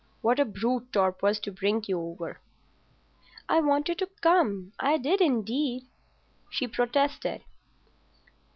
What a brute Torp was to bring you over." "I wanted to come. I did indeed," she protested.